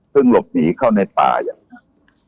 ซึ่งหลบหนีเข้าในป่าอย่างนั้น